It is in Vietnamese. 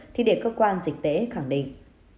thì để cơ quan dịch tễ khẳng định